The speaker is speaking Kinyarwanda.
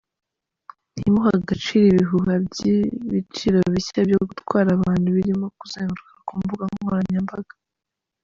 Ntimuhe agaciro ibihuha by’ibiciro bishya byo gutwara abantu birimo kuzenguruka ku mbuga nkoranyambaga.